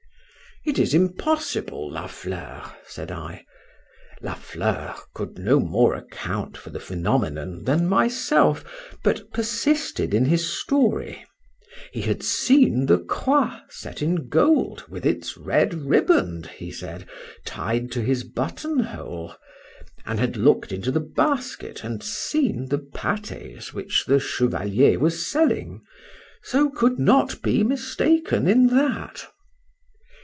—It is impossible, La Fleur, said I.—La Fleur could no more account for the phenomenon than myself; but persisted in his story: he had seen the croix set in gold, with its red riband, he said, tied to his buttonhole—and had looked into the basket and seen the pâtés which the Chevalier was selling; so could not be mistaken in that.